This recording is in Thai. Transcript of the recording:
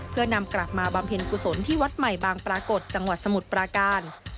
เพื่อนำกลับมาบำเพ็ญกุศลที่วัดใหม่บางปรากฏจังหวัดสมุทรปราการ